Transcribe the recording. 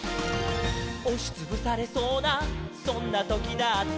「おしつぶされそうなそんなときだって」